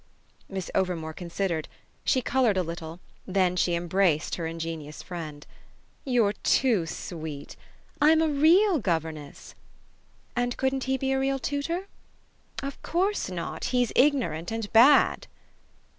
Miss Overmore considered; she coloured a little; then she embraced her ingenious friend. "You're too sweet! I'm a REAL governess." "And couldn't he be a real tutor?" "Of course not. He's ignorant and bad."